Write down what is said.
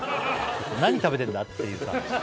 何食べてんだ？っていうさ